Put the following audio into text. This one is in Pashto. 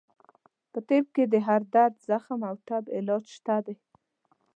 په طب کې د هر درد، زخم او ټپ علاج شته دی.